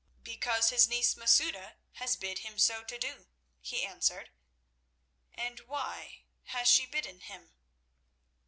"Because his niece Masouda has bid him so to do," he answered. "And why has she bidden him?"